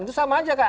itu sama aja kan